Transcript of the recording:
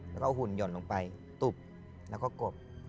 แล้วก็เอาหุ่นหย่อนลงไปตุบแล้วก็กบ